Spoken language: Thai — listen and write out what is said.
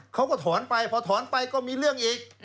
เขาก็ถอนไปพอถอนไปก็มีเรื่องอีก